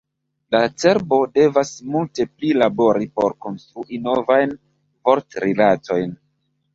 La cerbo devas multe pli labori por konstrui novajn vortrilatojn.